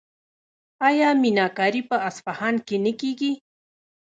آیا میناکاري په اصفهان کې نه کیږي؟